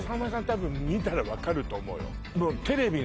たぶん見たら分かると思うよ